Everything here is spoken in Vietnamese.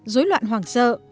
dối loạn hoàng sợ